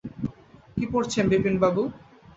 কী পড়ছেন বিপিনবাবু?